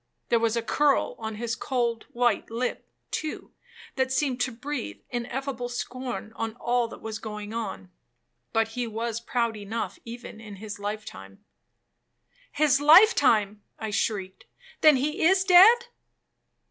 There was a curl on his cold white lip, too, that seemed to breathe ineffable scorn on all that was going on,—but he was proud enough even in his life time.'—'His life time!' I shrieked; 'then he is dead?'